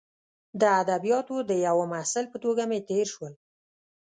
د ادبیاتو د یوه محصل په توګه مې تیر شول.